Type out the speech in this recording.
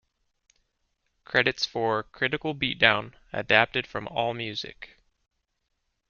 Credits for "Critical Beatdown" adapted from Allmusic.